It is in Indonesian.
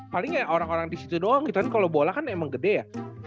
palingnya orang orang disitu doang gitu kan kalo bola kan emang gede ya